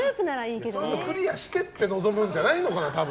そういうのクリアして臨むんじゃないのかな、多分。